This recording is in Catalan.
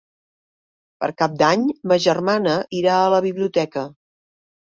Per Cap d'Any ma germana irà a la biblioteca.